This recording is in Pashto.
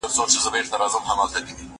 ښوونځی خلاص کړه